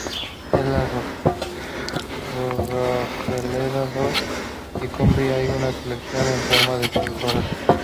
En la rosaleda Dot y Camprubí hay una colección en formación de sus rosas.